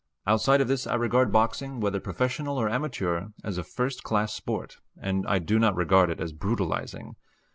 Outside of this I regard boxing, whether professional or amateur, as a first class sport, and I do not regard it as brutalizing.